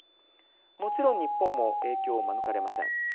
もちろん日本も影響を免れません。